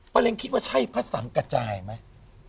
ป้าเล็งคิดว่าใช่ผสังกระจายไหม